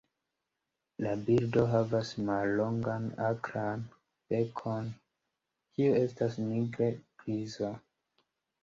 La birdo havas mallongan akran bekon, kiu estas nigre-griza.